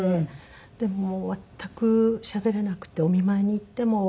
でももう全くしゃべれなくてお見舞いに行っても。